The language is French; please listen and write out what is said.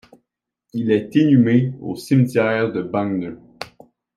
Elle est inhumée au cimetière de Bagneux.